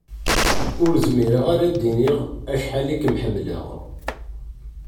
Ur zmireɣ ara ad am-d-iniɣ acḥal i kem-ḥemmleɣ.